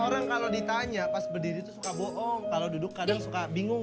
orang kalau ditanya pas berdiri itu suka bohong kalau duduk kadang suka bingung